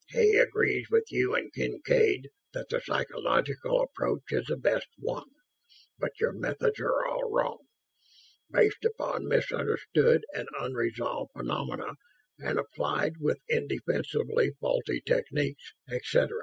He agrees with you and Kincaid that the psychological approach is the best one, but your methods are all wrong. Based upon misunderstood and unresolved phenomena and applied with indefensibly faulty techniques, et cetera.